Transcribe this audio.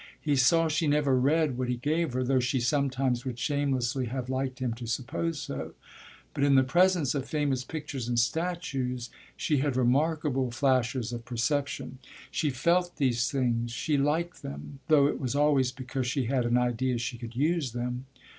He saw she never read what he gave her, though she sometimes would shamelessly have liked him to suppose so; but in the presence of famous pictures and statues she had remarkable flashes of perception. She felt these things, she liked them, though it was always because she had an idea she could use them.